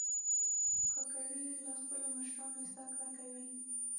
کاکړي له خپلو مشرانو زده کړه کوي.